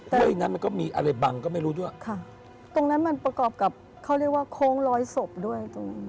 ตรงนั้นมันประกอบกับเขาเรียกว่าโค้งล้อยศพด้วย